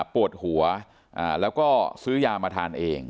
ปวดหัวแล้วก็ซื้อยามาทานเอง